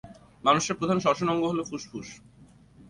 মানুষের প্রধান শ্বসন অঙ্গ হলো ফুসফুস।